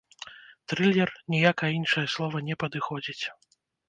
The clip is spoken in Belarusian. Трылер, ніякае іншае слова не падыходзіць!